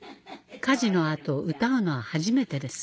火事の後歌うのは初めてです